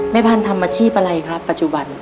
พันธุ์ทำอาชีพอะไรครับปัจจุบัน